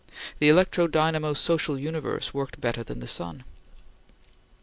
The electro dynamo social universe worked better than the sun.